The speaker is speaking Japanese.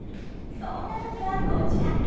そんな時はこちら。